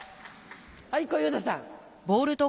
はい小遊三さん。